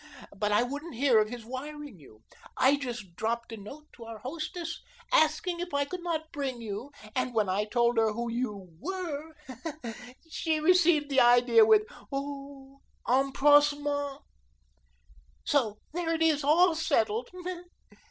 But I wouldn't hear of his wiring you. I just dropped a note to our hostess, asking if I could not bring you, and when I told her who you WERE, she received the idea with, oh, empressement. So, there it is, all settled.